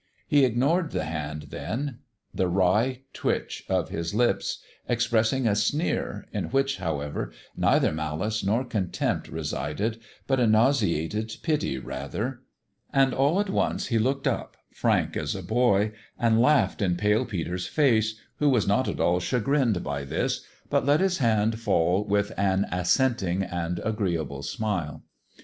He ignored the hand then, the wry twitch of his lips express ing a sneer, in which, however, neither malice nor contempt resided, but a nauseated pity, rather ; and all at once he looked up, frank as a boy, and laughed in Pale Peter's face, who was not at all chagrined by this, but let his hand fall with an assenting and agreeable smile.